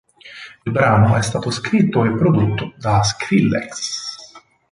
Il brano è stato scritto e prodotto da Skrillex.